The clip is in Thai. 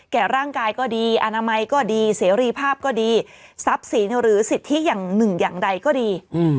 แก่ร่างกายก็ดีอนามัยก็ดีเสรีภาพก็ดีทรัพย์สินหรือสิทธิอย่างหนึ่งอย่างใดก็ดี